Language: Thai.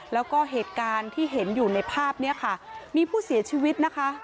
แล้วก็เหตุการณ์ที่เห็นอยู่ในภาพนี้ค่ะมีผู้เสียชีวิตนะคะ